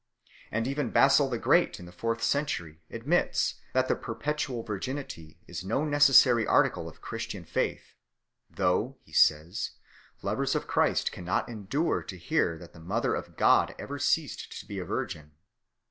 And even Basil 2 the Great in the fourth century admits that the perpetual virginity is no necessary article of Christian faith, though (he says) lovers of Christ cannot endure to hear that the mother of God ever ceased to be a virgin.